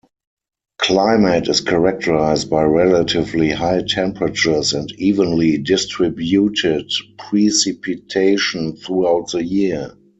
Climate is characterized by relatively high temperatures and evenly distributed precipitation throughout the year.